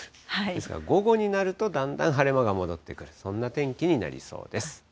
ですから、午後になると、だんだん晴れ間が戻ってくる、そんな天気になりそうです。